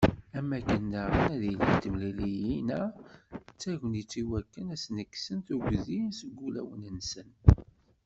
Am wakken daɣen, ad ilint temliliyin-a d tagnit i wakken ad sen-kksen tuggdi seg ulawen-nsen.